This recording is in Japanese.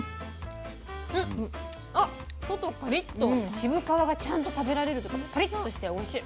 渋皮がちゃんと食べられるというかパリッとしておいしい。